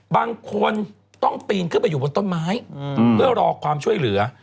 บางคนต้องปีนขึ้นไปอยู่บนต้นไม้เพื่อรอความช่วยเหลือ